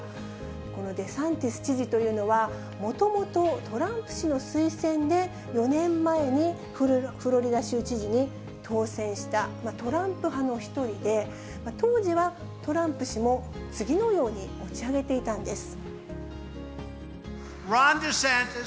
このデサンティス知事というのは、もともとトランプ氏の推薦で、４年前にフロリダ州知事に当選した、トランプ派の一人で、当時はトランプ氏も次のように持ち上げていたんです。